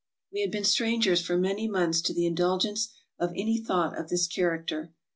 We had been strangers for many months to the in dulgence of any thought of this character.